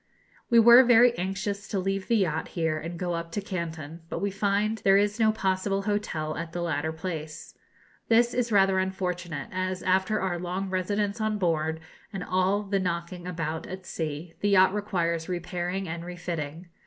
We were very anxious to leave the yacht here and to go up to Canton; but we find there is no possible hotel at the latter place. This is rather unfortunate, as, after our long residence on board, and all the knocking about at sea, the yacht requires repairing and refitting.